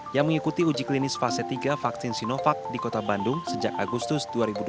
yang mengikuti uji klinis fase tiga vaksin sinovac di kota bandung sejak agustus dua ribu dua puluh